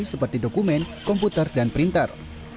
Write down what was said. seperti dokumen komputer dan printer